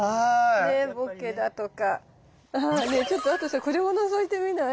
ちょっとあとさこれものぞいてみない？